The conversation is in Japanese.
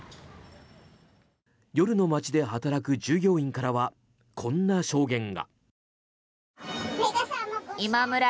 夜の街で働く従業員からはこんな証言が。